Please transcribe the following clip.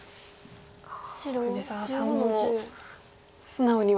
藤沢さんも素直には。